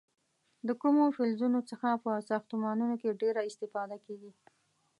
د کومو فلزونو څخه په ساختمانونو کې ډیره استفاده کېږي؟